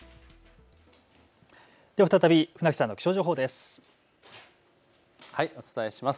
再び船木さんの気象情報です。